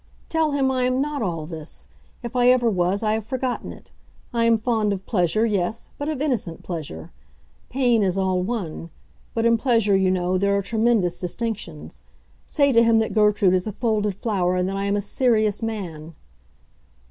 Tell him I am not all this; if I ever was, I have forgotten it. I am fond of pleasure—yes; but of innocent pleasure. Pain is all one; but in pleasure, you know, there are tremendous distinctions. Say to him that Gertrude is a folded flower and that I am a serious man!"